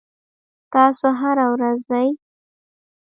تاسو هره ورځ ځئ؟